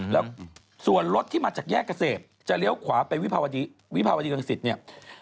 แล้วส่วนรถที่มาจากแยกเกษตรจะเลี้ยวขวาไปวิภาวดีรังสิตเนี่ย